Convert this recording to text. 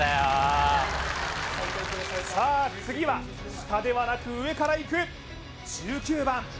さあ次は下ではなく上からいく１９番